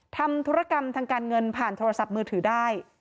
ทำธุรกรรมทางการเงินผ่านโทรศัพท์มือถือได้